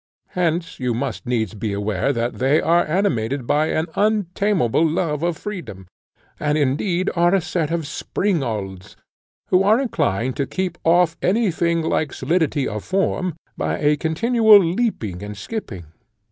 Hence you must needs be aware that they are animated by an untameable love of freedom, and indeed are a set of springalds, who are inclined to keep off any thing like solidity of form by a continual leaping and skipping.